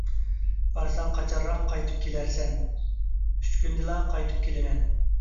− بارساڭ قاچانراق قايتىپ كېلەرسەن؟ − ئۈچ كۈندىلا قايتىپ كېلىمەن.